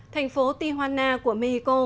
thành phố tijuana của mexico